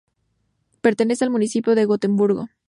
Pertenece al Municipio de Gotemburgo.